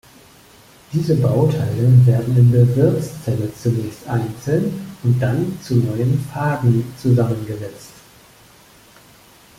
Diese Bauteile werden in der Wirtszelle zunächst einzeln, und dann zu neuen Phagen zusammengesetzt.